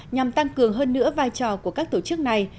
nhằm tăng cường hơn nữa vai trò của các tổ chức này